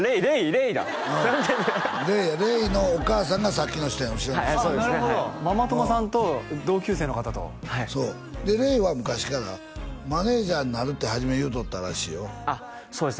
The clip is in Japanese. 零だ何で零零のお母さんがさっきの人や後ろのなるほどママ友さんと同級生の方とそうで零は昔からマネージャーになるって初め言うとったらしいよそうです